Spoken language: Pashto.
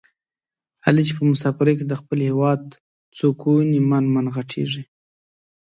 علي چې په مسافرۍ کې د خپل هېواد څوک وویني من من ِغټېږي.